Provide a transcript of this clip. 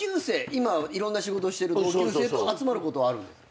今いろんな仕事してる同級生と集まることはあるんですか？